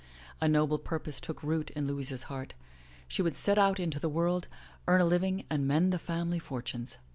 A noble purpose took root in Louisa's heart. She would set out into the* world, earn a living, and mend the family fortunes.